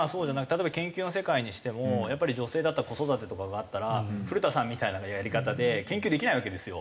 例えば研究の世界にしてもやっぱり女性だったら子育てとかがあったら古田さんみたいなやり方で研究できないわけですよ。